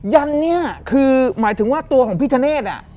ยันเนี่ยคือหมายถึงว่าตัวของพี่ธเนธ